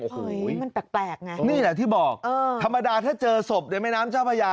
เฮ้ยมันแปลกไงนี่แหละที่บอกธรรมดาถ้าเจอศพในแม่น้ำเจ้าพระยา